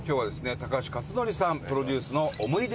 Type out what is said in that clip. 高橋克典さんプロデュースの思い出